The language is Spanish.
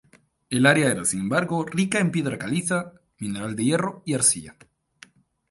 El área era, sin embargo, rica en piedra caliza, mineral de hierro y arcilla.